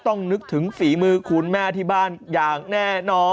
นึกถึงฝีมือคุณแม่ที่บ้านอย่างแน่นอน